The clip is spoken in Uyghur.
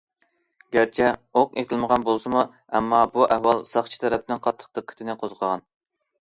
گەرچە ئوق ئېتىلمىغان بولسىمۇ، ئەمما بۇ ئەھۋال ساقچى تەرەپنىڭ قاتتىق دىققىتىنى قوزغىغان.